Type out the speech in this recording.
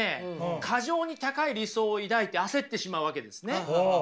過剰に高い理想を抱いて焦ってしまうわけですね。